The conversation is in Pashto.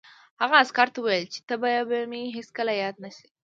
هغه عسکر ته وویل چې ته به مې هېڅکله یاد نه شې